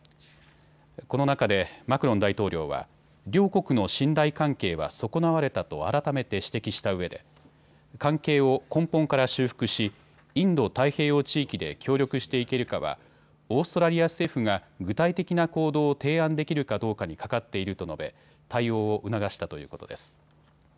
この中でマクロン大統領は、両国の信頼関係は損なわれたと改めて指摘したうえで関係を根本から修復し、インド太平洋地域で協力していけるかはオーストラリア政府が具体的な行動を提案できるかどうかにかかっていると述べ、対応を促したということです。